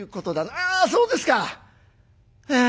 「ああそうですか。はあ。